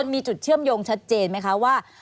มีจุดเชื่อมโยงชัดเจนไหมคะว่า